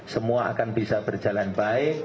semua akan bisa berjalan baik